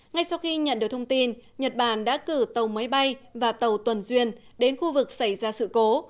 ngay sau khi nhận được thông tin nhật bản đã cử tàu máy bay và tàu tuần duyên đến khu vực xảy ra sự cố